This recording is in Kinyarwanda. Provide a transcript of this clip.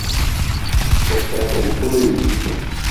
ndashaka gukora ibi